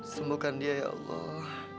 sembukan dia ya allah